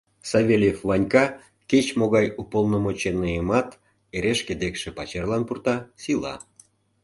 Савельев Ванька кеч-могай уполномоченныйымат эре шке декше пачерлан пурта, сийла.